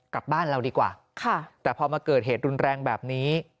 กลับบ้านเราดีกว่าแต่พอมาเกิดเหตุรุนแรงแบบนี้